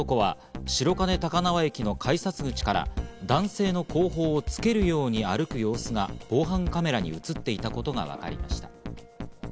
これまでに男は白金高輪駅の改札口から男性の後方をつけるように歩く様子が防犯カメラに映っていたことがわかりました。